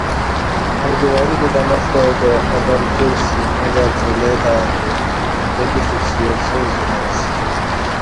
امکی وریکہ دمستہ کہ ابل کعسی مگر نیلہ تہ اتو اوجِستہ څِیا څِیا زنار اسی